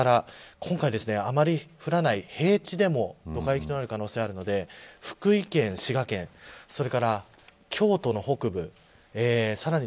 今回あまり降らない平地でもドカ雪となる可能性があるので福井県、滋賀県それから京都の北部さらに